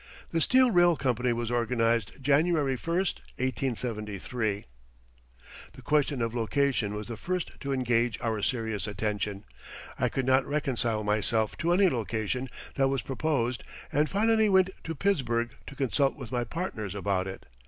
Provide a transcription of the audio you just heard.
The steel rail company was organized January 1, 1873. The question of location was the first to engage our serious attention. I could not reconcile myself to any location that was proposed, and finally went to Pittsburgh to consult with my partners about it.